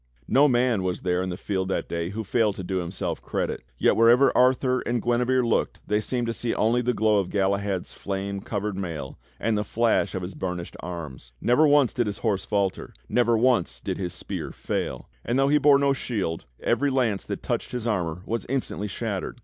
No man was there in the field that day who failed to do him self credit, yet wherever Arthur and Guinevere looked they seemed to see only the glow of Galahad's flame colored mail and the flash of his burnished arms. Never once did his horse falter, never once did his spear fail; and though he bore no shield, every lance that touched his armor was instantly shattered.